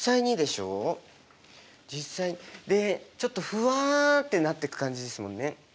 実際でちょっとふわってなってく感じですもんね。